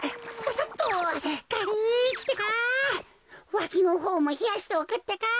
わきのほうもひやしておくってか。